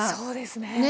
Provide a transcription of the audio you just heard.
そうですね。